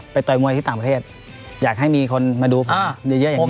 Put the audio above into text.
ไปต่อมวยที่ต่างประเทศอย่างให้มีคนมาดูผ่านเยอะเยอะอย่างนี้